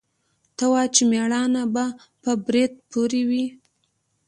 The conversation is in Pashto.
ته وا چې مېړانه به په برېت پورې وي.